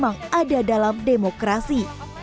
memang ada dalam demokrasi